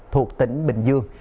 thuộc tỉnh bình dương